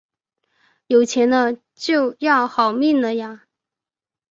有钱了就要好命了啊